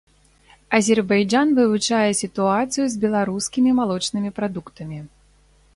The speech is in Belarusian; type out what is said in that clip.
Азербайджан вывучае сітуацыю з беларускімі малочнымі прадуктамі.